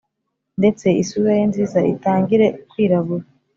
Ndetse isura ye nziza itangire kwirabura